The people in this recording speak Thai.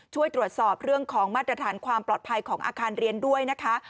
ช่วยตรวจสอบเรื่องของมาตรฐานความปลอดภัยของอาคารเรียนด้วยนะคะ